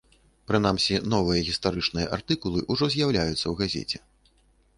Прынамсі, новыя гістарычныя артыкулы ўжо з'яўляюцца ў газеце.